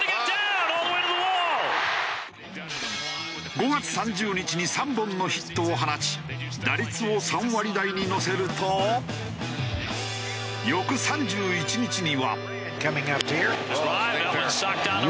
５月３０日に３本のヒットを放ち打率を３割台に乗せると翌３１日には。